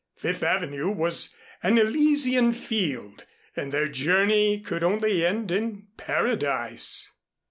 Fifth Avenue was an Elysian Field, and their journey could only end in Paradise.